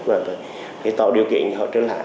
và tạo điều kiện cho họ trở lại